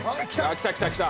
来た来た来た。